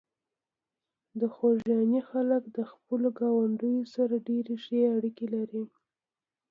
د خوږیاڼي خلک د خپلو ګاونډیو سره ډېرې ښې اړیکې لري.